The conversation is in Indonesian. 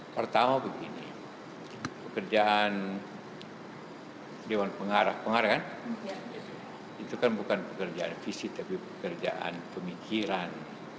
pertama begini pekerjaan dewan pengarah pengarah itu kan bukan pekerjaan fisik tapi pekerjaan pemikiran